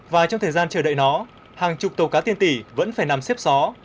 và trong thời gian chờ đợi nó hàng chục tàu cá tiên tỉ vẫn phải nằm xếp xó